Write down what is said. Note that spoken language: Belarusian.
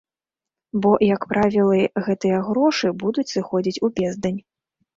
Бо, як правілы, гэтыя грошы будуць сыходзіць у бездань.